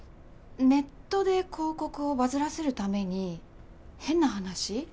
ネットで広告をバズらせるために変な話？